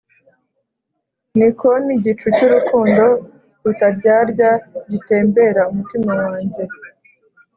niko nigicu cy’urukundo rutaryarya gitembera umutima wanjye,